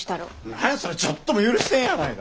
何やそれちょっとも許してへんやないか。